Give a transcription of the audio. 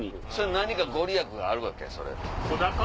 何か御利益があるわけ？